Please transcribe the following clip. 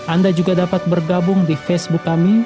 anda juga dapat bergabung di facebook kami